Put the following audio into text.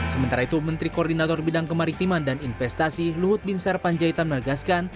sementara itu menteri koordinator bidang kemaritiman dan investasi luhut bin sarpanjaitan menegaskan